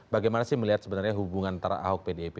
bagaimana sih melihat hubungan antara aho dan pdip